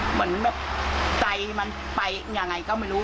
เหมือนแบบใจมันไปยังไงก็ไม่รู้